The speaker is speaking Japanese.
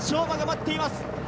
馬が待っています。